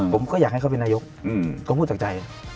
ผมก็อยากให้เขาเป็นนายกเขาพูดจากใจ